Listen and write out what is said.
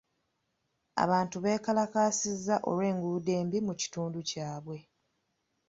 Abantu beekalakaasizza olw'enguudo embi mu kitundu kyabwe.